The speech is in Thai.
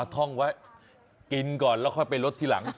ท่องไว้กินก่อนแล้วค่อยไปลดที่หลัง